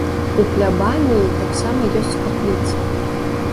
У плябаніі таксама ёсць капліца.